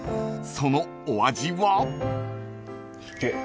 そのお味は？］